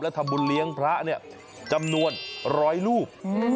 ทำบุญเลี้ยงพระเนี่ยจำนวนร้อยรูป